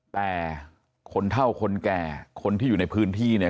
แต่คนเท่าคนแก่คนที่อยู่ในพื้นที่เนี่ย